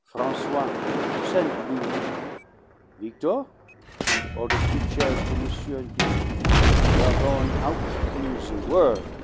Francois, send Louis to me; Victor, to order two chairs for monsieur and me; we are goin' out in the worl' to right!"